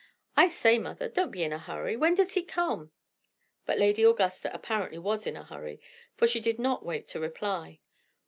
I say, mother, don't be in a hurry! When does he come?" But Lady Augusta apparently was in a hurry, for she did not wait to reply.